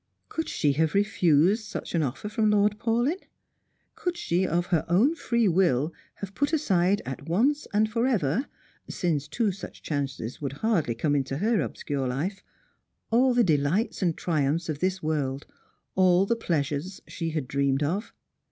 Could she have refused such an offer from Lord Paulyn ? Could she of her own free will have put aside at once and for ever — since two such chances would hardly come in her obscure life— all the delights and triumphs of this world, all the pleasures she had dreamed of?